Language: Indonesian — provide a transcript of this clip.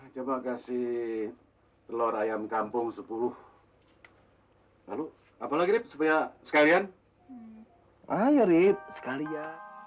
coba kasih telur ayam kampung sepuluh lalu apalagi sebuah sekalian ayo rit sekalian